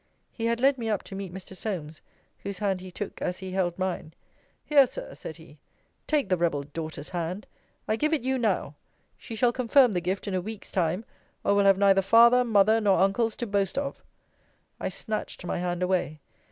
He had led me up to meet Mr. Solmes, whose hand he took, as he held mine. Here, Sir, said he, take the rebel daughter's hand: I give it you now: she shall confirm the gift in a week's time; or will have neither father, mother, nor uncles, to boast of. I snatched my hand away.